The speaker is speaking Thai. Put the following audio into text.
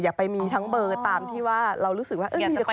อยากไปมีทั้งเบอร์ตามที่ว่าเรารู้สึกว่า